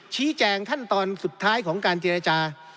ชี้แจงขั้นตอนสุดท้ายของการเจรจา